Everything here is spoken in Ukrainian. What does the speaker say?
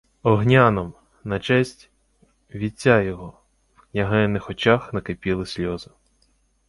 — Огняном, на честь... вітця його. В княгининих очах накипіли сльози.